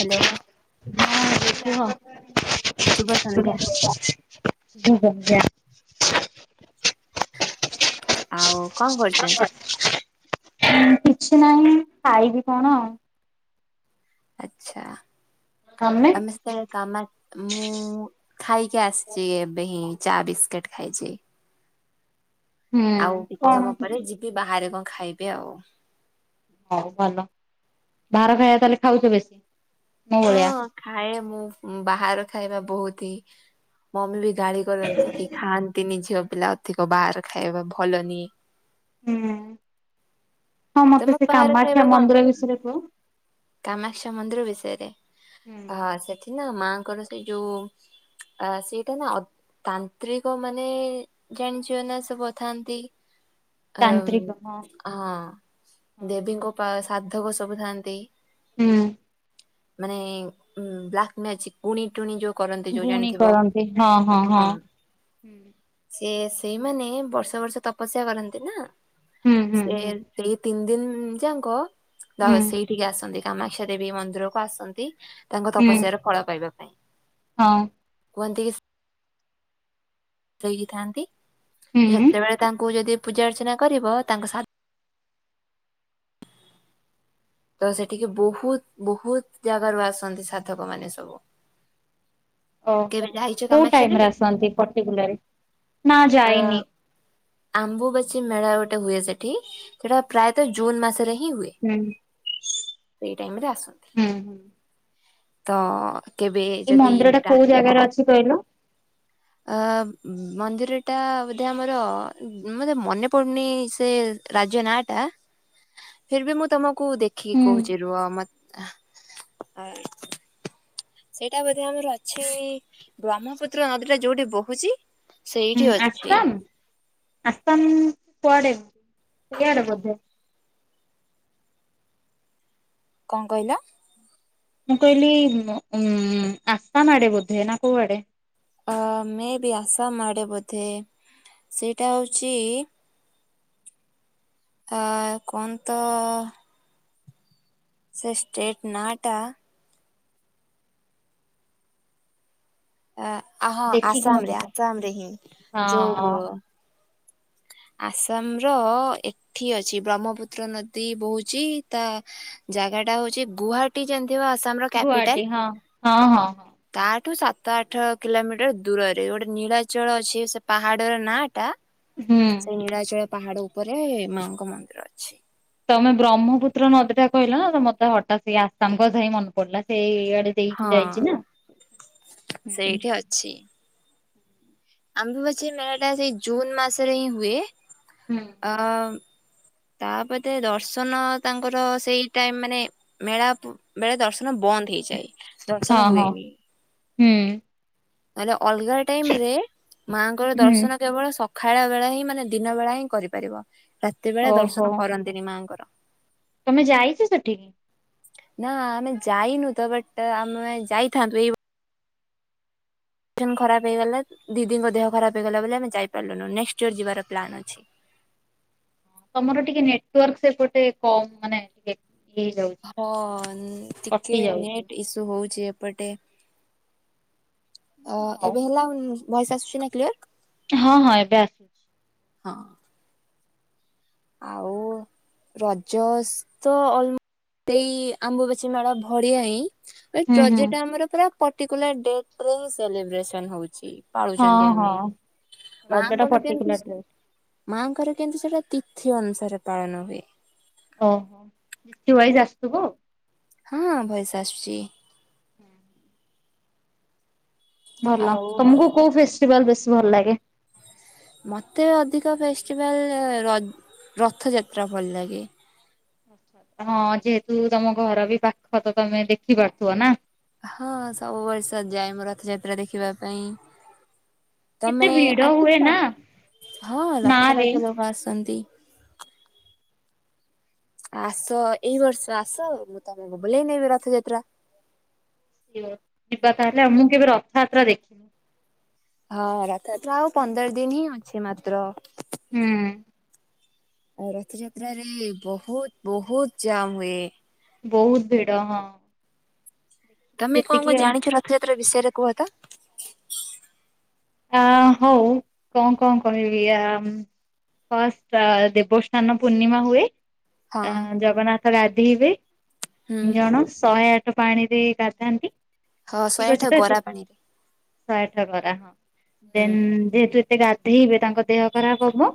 Hello, ହଁ ଶୁଭ ସନ୍ଧ୍ୟା କୁହ, [unintelligible] ଆଉ କଣ କରୁଚନ୍ତି? କିଛି ନାହିଁ ଖାଇବି କଣ? ଆଚ୍ଛା ତମେ ଆମେ ସେତେବେଳେ କାମା ମୁଁ ଖାଇକି ଆସିଚି ଏବେ ହିଁ ଚା ବିସ୍କିଟ ଖାଇଚି। ହୁଁ ଆଉ କିଛି କଣ ସମୟ ପରେ ଯିବି ବାହାରେ କଣ ଖାଇବି ଆଉ। ହଉ ଭଲ ବାହାର ଖାଇବା ତାହେଲେ ଖାଉଚ ବେଶୀ ମୋ ଭଳିଆ। ହଁ ଖାଏ ମୁଁ ବାହାର ଖାଇବା ବହୁତ୍ ହିଁ ମମି ବି ଗାଳି କରନ୍ତି କି ଖାଆନ୍ତିନି ଝିଅ ପିଲା ଅଧିକ ବାହାର ଖାଇବା ଭଲନି। ହୁଁ ହଁ ମତେ ତମକୁ ସେ କାମାକ୍ଷା ମନ୍ଦିର ବିଷୟରେ କୁହ? କାମାସ୍ୟ ମନ୍ଦିର ବିଷୟରେ ହୁଁ ହ ସେଠି ନାଁ ମାଁ ଙ୍କର ସେ ଯୋଉ ଅ ସେଇଟା ନାଁ ଅଧ ତାନ୍ତ୍ରିକ ମାନେ ଜାଣିଚ ନାଁ ସବୁଥାନ୍ତି। ଏ ହଁ ଦେବୀଙ୍କ ପା ଶାଦ୍ଧକ ସବୁ ଥାଆନ୍ତି। ହୁଁ। ମାନେ ଉଁ ବ୍ଲାକ୍ ମ୍ୟାଜିକ ଗୁଣି ଟୁଣି ଯୋଉ କରନ୍ତି ଯୋଉ ଗୁଣୀ ଜାଣିଥିବ କରନ୍ତି ହଁ ହଁ ହଁ ହୁଁ। ସିଏ ସେଇମାନେ ବର୍ଷ ବର୍ଷ ତପସ୍ୟା କରନ୍ତି ନାଁ ହୁଁ ହୁଁ ସେ ହୁଁ ସେଇ ତିନି ଦିନ ଯାକ ଧ ହୁଁ ସେଇଠିକି ଆସନ୍ତି କାମାକ୍ଷା ଦେବୀ ମନ୍ଦିର କୁ ଆସନ୍ତି। ତାଙ୍କ ହୁଁ ତପସ୍ୟାର ଫଳ ପାଇବା ପାଇଁ। ହଁ। କୁହନ୍ତି କିସ୍ ସିଦ୍ଧ ହେଇକିଥାନ୍ତି ତ ହୁଁ ସେତେବେଳେ ତାଙ୍କୁ ଯଦି ପୂଜା ଅର୍ଚ୍ଚନା କରିବ ତାଙ୍କ ସା ତ ସେଠିକି ବହୁତ୍ ବହୁତ୍ ଜାଗାରୁ ଆସନ୍ତି ସାର୍ଥକ ମାନେ ସବୁ। କେବେ ଓହୋ ଯାଇଛ କୋଉ କାମାକ୍ଷା ଟାଇମ୍ ରେ ଦେବୀ? ଆସନ୍ତି ପଟିକୁଲାରି? ଆଁ ଆମ୍ବବାଛି ମେଳା ଗୋଟେ ହୁଏ ସେଠି ସେଟା ପ୍ରାୟତଃ ଜୁନ୍ ମାସରେ ହିଁ ହୁଏ। ହୁଁ ସେଇ ଟାଇମ୍ ରେ ଆସନ୍ତି ହୁଁ ହୁଁ ତ କେବେ ଏଇ ଯଦି ମନ୍ଦିର ଟା ତା କୋଉ ଜାଗାରେ ଅଛି କହିଲୁ? ଅ ମନ୍ଦିର ଟା ବୋଧେ ଆମର ବୋଧେ ମନେ ପଡୁନି ସେ ରାଜ୍ୟ ନାଁ ଟା ଫିର୍ ବି ମୁଁ ତମକୁ ଦେଖିକି କହୁଚି ହୁଁ ରୁହ ମ [inaudible] ସେଇଟା ବୋଧେ ଆମର ଅଛି ବ୍ରହ୍ମପୁତ୍ର ନଦୀ ଟା ଯୋଉଠି ବୋହୁଚି ହୁଁ ଆସମ୍ ଆସମ୍ କୁଆଡେ ସେଇଆଡେ ବୋଧେ। କଣ କହିଲ? ମୁଁ କହିଲି ଉଁ ଆସାମ ଆଡେ ବୋଧେ ନାଁ କୋଉ ଆଡେ? ଆ ମେ ବି ଆସାମ୍ ଆଡ଼େ ବୋଧେ ସେଇଟା ହଉଚି ଆ କଣ ତ ସେ ଷ୍ଟେଟ୍ ନାଁ ଟା ଏଁ ଆ ହଁ ଦେଖିକି ଆସାମ ମତେ ରେ କୁହ ଆସାମ ରେ ହିଁ ହଁ ଯୋଉ ଆସାମ୍ ର ଏଠି ଅଛି ବ୍ରହ୍ମପୁତ୍ର ନଦୀ ବୋହୁଚି ତା ଜାଗା ଟା ହଉଚି ଗୋହାଟୀ ଜାଣିଥିବା ଆସାମ ର ଗୁଆହାଟୀ କ୍ୟାପିଟାଲ୍। ହଁ ହଁ ହଁ ହଁ। ତା ଠୁ ସାତ ଆଠ କିଲୋମିଟର ଦୂରରେ ଗୋଟେ ନୀଳାଚଳ ଅଛି ସେ ପାହାଡର ନାଁ ଟା। ହୁଁ। ସେଇ ନୀଳାଚଳ ପାହାଡ ଉପରେ ମାଁ ଙ୍କ ମନ୍ଦିର ଅଛି। ତମେ ବ୍ରହ୍ମପୁତ୍ର ନଦୀ ଟା କହିଲ ନା ମତେ ହଠାତ୍ ସେଇ ଆସାମ କଥା ହିଁ ମନେ ପଡିଲା ସେଇ ଆଡ଼େ ଦେଇ ହଁ କି ଯାଇଛି ନା, ହୁଁ। ଛି ଆମ୍ବବାଛି ମେଳା ଟା ସେଇ ଜୁନ ମାସରେ ହିଁ ହୁଏ, ଅ-ଅ-ଅ ତାପରେ ଦର୍ଶନ ତାଙ୍କର ସେଇ ଟାଇମ୍ ମାନେ ମେଳା ବେଳେ ଦର୍ଶନ ବନ୍ଦ ହେଇଯାଏ। ହଁ ଦର୍ଶନ -ହଁ -ହୁଁ। ନହଲେ ଅଲଗା ଟାଇମ୍ ରେ ମାଙ୍କର ହୁଁ ଦର୍ଶନ କେବଳ ସ ଖାଳ ବେଳେ ହିଁ ମାନେ ଦିନ ବେଳା ହିଁ କରିପାରିବ ରାତି ବେଳେ ଓହୋ ଦର୍ଶନ କରନ୍ତିନି ମାଙ୍କର। ତମେ ଯାଇଛ ସେଠିକି? ନା ଆମେ ଯାଇନୁ ତ ବଟ୍ ଆମେ ଯାଇଥାନ୍ତୁ ଏଇ ଖରାପ୍ ହେଇଗଲା ଦିଦିଙ୍କ ଦେହ ଖରାପ୍ ହେଇଗଲା ବୋଲି ଆମେ ଯାଇପାରିଲୁ ନେକ୍ସଟ୍ ଇୟର ଯିବାର ପ୍ଲାନ୍ ଅଛି। ତମର ଟିକେ ନେଟ୍ ୱାର୍କ ସେପଟେ କମ ମାନେ ଟିକେ ଇଏ ହେଇଯାଉଛି ହଁ କଟି ଟିକେ ଯାଉଛି। ନେଟ୍ ଇସୁ ହୋଉଛି ଏପଟେ। ଅ ହଉ ଏବେ ହେଲା ଭୟେସ୍ ଆସୁଛି ନା କ୍ଲିୟର? ହଁ -ହଁ ଏବେ ଆସ୍ ହଁ। ଆଉ। ରଜ ତ ଅଲ୍ ସେଇଁ ଆମ୍ବୁବାଛି ମେଳା ଭଡିଆ ହିଁ। ହୁଁ ବଟ୍ ରଜ ହୁଁ ଟା ଆମର ପୁରା ଆମର ପର୍ତିକୁଲାର ଡେଟ୍ ରେ ହି ସେଲିବ୍ରଟ୍ସନ୍ ହଉଛି। ହଁ ପାଳୁଛନ୍ତି ଆମେ, ହଁ। ରଜ ଟା ମାଆଙ୍କଣ କେମ୍ ତି ପର୍ଟିକୁଲାର ଡେଟ ମାଆଙ୍କର କିନ୍ତୁ ସେଟା ତିଥି ଅନୁସାରେ ପାଳନ ହୁଏ। ହଁ ତୁ ୱାଇଜ୍ ଆସ୍ ଥୁବୁ। ହଁ ଭଏସ୍ ଆସୁଛି। ହୁଁ ଉଁ। ଭଲ ଆଉ ତମକୁ କୋଉ ଫେଷ୍ଟିଭାଲ୍ ବେଶୀ ଭଲ୍ ଲାଗେ। ମତେ ଅଧିକା ଫେଷ୍ଟିଭାଲ୍ ର-ରଥଯାତ୍ରା ଭଲ୍ ଲାଗେ। ହଁ ଯେହେତୁ ତମ ଘର ବି ପାଖ ତ ତମେ ଦେଖି ପାରୁଥିବ ନା। ହଁ ସବୁ ବର୍ଷ ଯାଏ ମୁଁ ରଥଯାତ୍ରା ଦେଖିବା ପାଇଁ। କେତେ ତମେ ଭିଡ ହୁଏ ଆସିଛ? ନା ହଁ ଲକ୍ଷ ନାଁରେ। ଲକ୍ଷ ଲୋକ ଆସନ୍ତି। ଆସ ଏଇ ବର୍ଷ ଆସ, ମୁଁ ତମକୁ ବୁଲେଇ ନେବି ରଥଯାତ୍ରା। ଯିବା ତାହେଲେ ଆଉ, ମୁଁ କେବେ ରଥଯାତ୍ରା ଦେଖିନି। ହଁ ରାସଯାତ୍ରା ଆଉ ପନ୍ଦର ଦିନ୍ ହିଁ ଅଛି ମାତ୍ର। ହୁଁ -ଉଁ। ଆଉ ରଥଯାତ୍ରାରେ ବୋହୁତ୍ ବୋହୁତ୍ ଜାମ୍ ହୁଏ। ବୋହୁତ୍ ଭିଡ ହଁ। ତମେ କଁ- ଯେତିକି କଁ ଆଉ ଜାଣିଛ ରଥଯାତ୍ରା ବିଷୟରେ କୁହ ତ? ଆ ହଉ କଣ କଣ କରିହିବି ଆ କଣ ଫାଷ୍ଟ ଦେବସ୍ନାନ ପୂର୍ଣ୍ଣିମା ହୁଏ। ହଁ ଆଁ ଜଗନ୍ନାଥ ଗାଧିଇବେ, ହୁଁ ତିନି ଜଣ ଶହେ ଆଠ ପାଣି ଦେଇ ଗାଧାନ୍ତି, ହଁ ଶହେ ଠିକ୍ ଆଠ ଅଛି ତ ଗରା ପାଣିରେ ଶହେ ଆଠ କରା ହଁ। ହୁଁ ଦେନ୍ ଯେହେତୁ ଏତେ ଗାଧେଇବେ ତାଙ୍କ ଦେହ ଖରାପ୍ ହବ।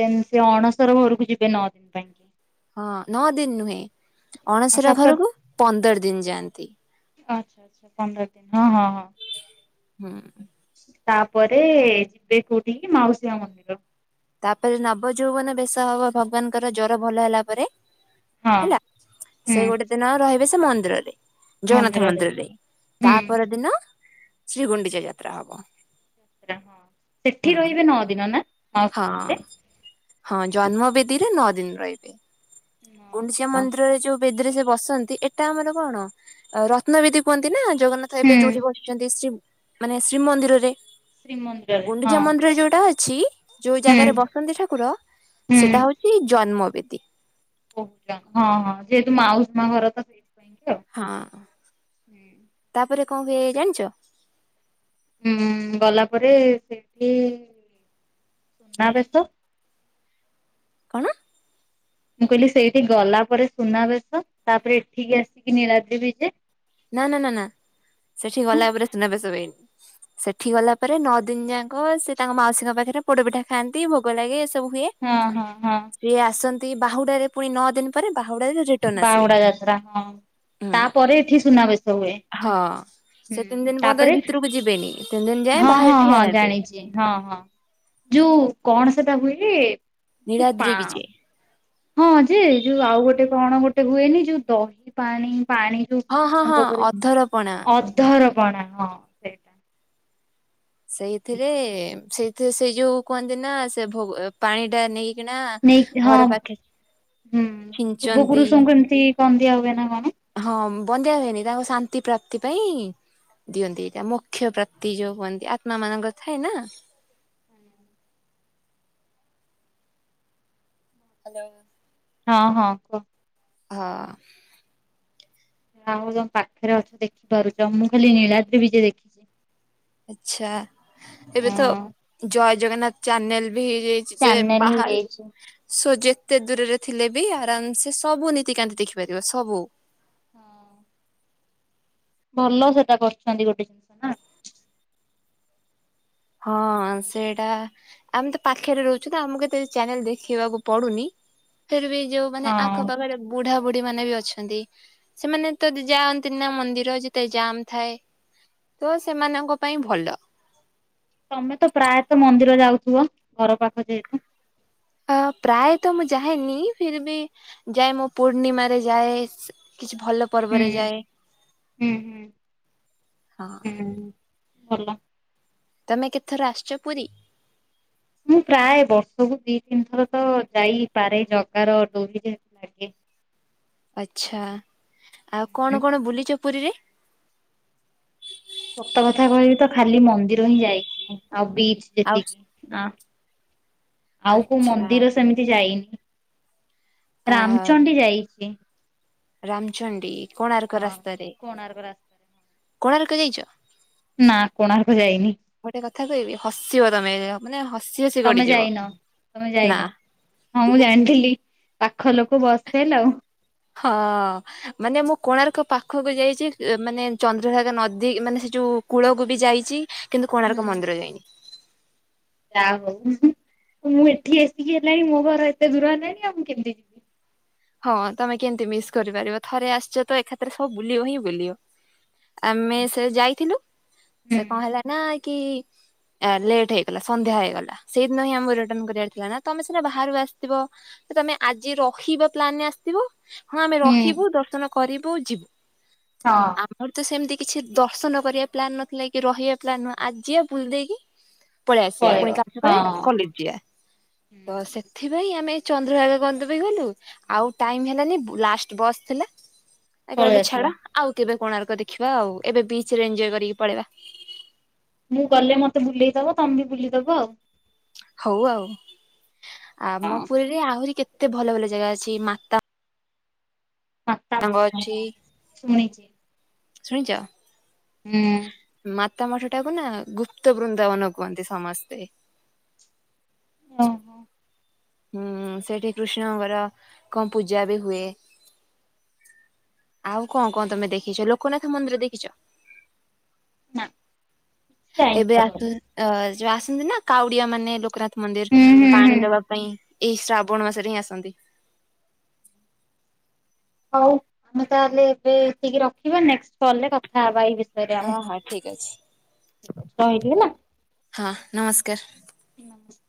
ସେମ୍ ତି ଅଣସର ଘରକୁ ଯିବେ ନଅ ଦିନ୍ ପାଇଁ। ହଁ ନଅ ଦିନ୍ ନୁହେଁ, ଅଣସରା ସାତ ଘରକୁ ପନ୍ଦର ଦିନ୍ ଯାଆନ୍ତି। [unintelligible] ପନ୍ଦର ଦିନ୍ ହଁ -ହଁ- ହଁ। ହୁଁ।। ତାପରେ ଯିବେ କୋଉଠିକି ମାଉସୀଆ ମନ୍ଦିର। ତାପରେ ନବ ଯୌବନ ବେଶ ହବ ଭଗବାନଙ୍କର ଜ୍ଵର ଭଲ ହେଲା ପରେ। ହଁ ହେଲା ହୁଁ ସେ ଗୋଟେ ଦିନ ରହିବେ ସେ ମନ୍ଦିରରେ। ଜଗନ୍ନାଥ ମନ୍ଦିରରେ ହୁଁ। ତାପ ଦିନ ଶ୍ରୀ ଗଣ୍ଡିଚା ଯାତ୍ରା ହବ। ହଁ ହୁଁ ସେଠି ରହିବେ ନଅ ଦିନ ନା ମା ହଁ ଘରେ। ହଁ ହୁଁ ଜନ୍ମବେଦିରେ ନଅ ଦିନ ରହିବେ। ଗୁଣ୍ଡିଚିଆ ମନ୍ଦିରରେ ଯୋଉ। ବେଦିରେ ସେ ବସନ୍ତି ଏଟା ଆମର କଣ ରତ୍ନବଦୀ କୁହନ୍ତି ନା ଜଗନ୍ନାଥ। ତ ଏବେ ଯୋଉଠି ବସିଛନ୍ତି ଶ୍ରୀ ମାନେ ଶ୍ରୀମନ୍ଦିରରେ। ଶ୍ରୀମନ୍ଦିରରେ ହଁ ଗୁଣ୍ଡିଚା ମନ୍ଦିର ଯୋଉଟା ଅଛି। ଯୋଉ ହୁଁ। ଜାଗାରେ ବସନ୍ତି ଠାକୁର ହୁଁ ସେଟା ହଉଛି ଜନ୍ମବେଦି। କହୁଛ ହଁ ହଁ ଯେହେତୁ ମାଉସୀ ମା ଘର ତ। ପାଇଁକି ଆଉ। ହଁ ତାପରେ କଣ କିଏ ଜାଣିଛ?। ହୁଁ ଗଲା ପରେ ସେଇଠି ସୁନାବେେଶ। କଣ?। ମୁଁ କହିଲି ସେଇଠି ଗଲା ପରେ ସୁନାବେେଶ ତାପରେ ଏଠିକି ଆସିକି ନୀଳାଦ୍ରି ବିଜେ। ନା ନା ନା ନା ସେଠି ଆଉ ଗଲା ପରେ ସୁନାବେେଶ ହୁଏନି। ସେଠି ଗଲା ପରେ ନଅ ଦିନ ଯାକ ସେ ତାଙ୍କ ମାଉସୀଙ୍କ ପାଖରେ ପୋଡ ପିଠା ଖାଆନ୍ତି ଭୋଗ ଲାଗେ ଏସବୁ ହୁଏ। ହଁ ହଁ ହଁ। ଆସନ୍ତି ବାହୁଡାରେ ପୁଣି ନଅ ଦିନ ପରେ ବାହୁଡା। ବାହୁଡା ଯାତ୍ରା ହଁ ତାପରେ ଏଠି ସୁନାବେଶ ହୁଏ। ହଁ ହୁଁ ସେ ତିନି ଦିନ ପର୍ ତାପରେ ଭିତରକୁ ଯିବେନି ତିନି ଦିନ ଯାଏ ହଁ ହଁ ବାହାରେ ହଁ ଠିଆ ହେବେ। ଜାଣିଛି। ହଁ ହଁ ଯୋଉ କଣ ସେଟା ହୁଏ?। ଯୂପ। ନୀଳାଦ୍ରି ବିଜେ। ହଁ ଯେ ଯୋଉ ଆଉ ଗୋଟେ କଣ ଗୋଟେ ହୁଏନି ଯୋଉ ଦହି ପାଣି ପାଣି। ଯୋଉ ହଁ ହଁ ହଁ ଅଧରପଣା।। ଧରପଣା ହଁ। ସେଇଟା ସେଇଥିରେ ସେଇଥିରେ ସେଇ ଯୋଉ କୁହନ୍ତି ନା ସେ ଭୋଗ ପାଣି ଟା ନେଇକି। ନେଇି ହଁ ହୁଁ ପୂର୍ବ ଛିଞ୍ଚନ୍ତି ପୁରୁଷଙ୍କୁ ଏମିତି କଣ ଦିଆ ହୁଏ ନା କଣ?। ହଁ ବନ୍ଦି ହୁଏନି ତାଙ୍କ ଶାନ୍ତି ପ୍ରାପ୍ତି ପାଇଁ। ଦିଅନ୍ତି ଏଇଟା ମଖ୍ୟ ପ୍ରାପ୍ତି ଯୋଉ ହୁଅନ୍ତି ଆତ୍ମା ମାନଙ୍କର ଥାଏ ନା। ହୁଁ। ହ୍ୟାଲୋ। ହଁ ହଁ କୁହ। ହଁ। ଆଉ ତମ ପାଖରେ ଅଛ ଦେଖିପାରୁଛ ମୁଁ ଖାଲି ନୀଳାଦ୍ରି ବି ଯ ଦେଖିଛି। ଆଛା ଏବେ ତ ହଁ ଜୟ ଜଗନ୍ନାଥ ଚ୍ୟାନେଲ ବି ହେଇଯାଇଛି। ଯେ ଚ୍ୟାନେଲ ହେଇଯାଇଛି ବାହାରହାର। ସୋ ଯେତେ ଦୂରରେ ଥିଲେ ବି ଆରାମସେ ସବୁ ନୀତିକାନ୍ତି ଦେଖିପାରିବ ସବୁ। ହଁ। ଭଲ ସେଟା କରୁଛନ୍ତି ଗୋଟେ ଜିନିଷ ନା। ହଁ ସେଇଟା। ଆମେ ତ ପାଖରେ ରହୁଛୁ ତ ଆମକୁ କେତେ ଚ୍ୟାନେଲ୍ ଦେଖିବାକୁ ପଡ଼ୁନି। ଫିର୍ ବି ଯୋଉ ମାନେ ହଁ ଆଖପାଖରେ ବୁଢାବୁଢୀ ମାନେ ବି ଅଛନ୍ତି। ସେମାନେ ତ ଦି ଯାଆନ୍ତିନ ନା ମନ୍ଦିର ଯେତେ ଜାମ୍ ଥାଏ ତୋ ସେମାନଙ୍କ ପାଇଁ ଭଲ। ତମେ ତ ପ୍ରାୟତଃ ମନ୍ଦିର ଯାଉଥିବ ଘର ପାଖ ଯେହେତୁ ଅ ପ୍ରାୟତଃ ମୁଁ ଯାଏନି ଫିର୍ ବି ଯାଏ ମୁଁ ପୂର୍ଣ୍ଣିମାରେ ଯାଏ। ସେ କିଛି ଭଲ ହୁଁ ପର୍ବରେ ଯାଏ। ହୁଁ ହୁଁ ହଁ। ହୁଁ ଭଲ। ତମେ କେତଥର ଆସିଚ ପୁରୀ? ମୁଁ ପ୍ରାୟେ ବର୍ଷକୁ ଦି ତିନି ଥର ତ ଯାଇପାରେ ଜଗାର ଡୋରି ଯେ ଲାଗେ। ଆଚ୍ଛା ଆଉ ହୁଁ, କଣ କଣ ବୁଲିଚ ପୁରୀରେ? ସତ କଥା କହିବି ତ ଖାଲି ମନ୍ଦିର ହିଁ ଯାଇଚି ଆଉ ବିଚ୍ ଆଉ ଯେତିକି। ଆ ଆଉ କୋଉ ଆଚ୍ଛା ମନ୍ଦିର ସେମିତି ଯାଇନି। ଆ ରାମଚଣ୍ଡୀ ଯାଇଚି। ରାମଚଣ୍ଡୀ କୋଣାର୍କ ହଁ। ରାସ୍ତାରେ କୋଣାର୍କ ରାସ୍ତାରେ କୋଣାର୍କ ଯାଇଛ? ନା କୋଣାର୍କ ଯାଇନି। ଗୋଟେ କଥା କହିବି ହସିବ ତମେ ମାନେ ହସି ହସି ତମେ ଗଡିଯିବ। ଯାଇନ? ତମେ ଯାଇନ ନା। ହଁ ମୁଁ ଜାଣିଥିଲି ପାଖ ଲୋକ ବସ୍ ଫେଲ୍ ଆଉ। ହ ମାନେ ମୁଁ କୋଣାର୍କ ପାଖକୁ ଯାଇଚି ଏ ମାନେ ଚନ୍ଦ୍ରଭାଗା ନଦୀ ମାନେ ସେ ଯୋଉ କୂଳକୁ ବି ଯାଇଚି। କିନ୍ତୁ ହୁଁ, କୋଣାର୍କ ମନ୍ଦିର ଯାଇନି। ଯା ହଉ ମୁଁ ଏଠି ଆସିକି ହେଲାଣି ମୋ ଘର ଏତେ ଦୂର ହେଲାଣି ଆଉ ମୁଁ କେମତି? ହଁ ତମେ କେମତି ମିସ୍ କରିପାରିବ ଥରେ ଆସିଚ ତ ଏଖାତରେ ସବୁ ବୁଲିବ ହିଁ ବୁଲିବ। ଆମେ ସେ ଯାଇଥିଲୁ। ହୁଁ। ସେ କଣ ହେଲା ନା କି? ଆ ଲେଟ୍ ହେଇଗଲା। ସନ୍ଧ୍ୟା ହେଇଗଲା। ସେଇଦିନ ହିଁ ଆମକୁ ରିଟର୍ଣ କରିବାର ଥିଲା ନା ତମେ ସିନା ବାହାରୁ ଆସଥିବ ତ ତମେ ଆଜି ରହିବ? ପ୍ଲାନେ ଆସିଥିବୁ ହଁ ଆମେ ହୁଁ। ରହିବୁ ଦର୍ଶନ କରିବୁ ଯିବ୍ ହଁ। ଆମର ତ ସେମତି କିଛି ଦର୍ଶନ କରିଆ ପ୍ଲାନ ନଥିଲା କି ରହିଆ ପ୍ଲାନ୍ ନୁହଁ ଆଜିି ଆ ବୁଲ ଦେଇକି ପଳେଇ ଆସିଆ ପଳେଇବ ପୁଣି କାଲି ସକାଳେ ହଁ। କଲେଜ୍ ଚିଆ ତ ସେଥିପାଇଁ ଆମେ ଚନ୍ଦ୍ରଭାଗା ଗନ୍ଧ ପାଇଁ ଗଲୁ? ଆଉ ଟାଇମ୍ ହେଲାନି ଲାଷ୍ଟ୍ ବସ୍ ଥିଲା ଏଇ କହିଲୁ ପଳେଇ ଆସିଲ ଛାଡ ଆଉ କେବେ କୋଣାର୍କ ଦେଖିବା ଆଉ ଏବେ ବିଚ୍ ରେ ଏନଜୟ କରିକି ପଳେଇବା। ମୁଁ ଗଲେ ମତେ ବୁଲେଇଦବ। ତମେ ବୁଲିଦବ ଆଉ। ହଉ ଆଉ ଆମ ହଁ ପୁରୀରେ ଆହୁରି କେତେ ଭଲ ଭଲ ଜାଗା ଅଛି। ମାତା ତଙ୍ଗ ଅଛି। ଶୁଣିଚି। ଶୁଣିଚ? ଉଁ। ମାତା ମଠ ଟାକୁ ନା ଗୁପ୍ତ ବୃନ୍ଦାବନ କୁହନ୍ତି ସମସ୍ତେ ଓଁ ହୁଁ ସେଇଠି କୃଷ୍ଣଙ୍କର କଁ ପୂଜା ବି ହୁଏ। ଆଉ କଣ କଣ ତମେ ଦେଖିଚ ଲୋକନାଥ ମନ୍ଦିର ଦେଖିଚ? ନା। ଯାଇନି ଏବେ ପା ଆସୁ କହିଲି। ଅ ଯ ଆସନ୍ତି ନା କାଉଡିଆ ମାନେ ଲୋକନାଥ୍ ମନ୍ଦିର୍ ପାଣି ଦବା ପାଇଁ ଏହି ଶ୍ରାବଣ ମାସରେ ହିଁ ଆସନ୍ତି। ହଅଉ ଆମେ ତାହାଲେ ଏବେ ଏତିକି ରଖିବା ନେକ୍ସଟ୍ କଲ୍ ରେ କଥା ହବା ଏଇ ବିଷ୍ ହଁ ହଁ ଠିକ ଅଛି ରହିଲି ହେଲା। ହଁ ନମସ୍କାର। ନମସ୍କାର।